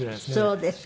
そうですか。